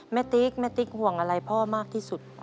ติ๊กแม่ติ๊กห่วงอะไรพ่อมากที่สุด